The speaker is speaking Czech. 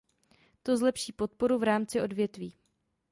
To zlepší podporu v rámci odvětví.